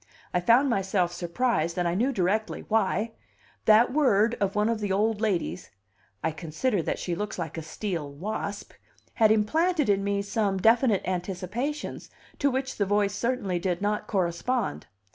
I found myself surprised, and I knew directly why; that word of one of the old ladles, "I consider that she looks like a steel wasp," had implanted in me some definite anticipations to which the voice certainly did not correspond.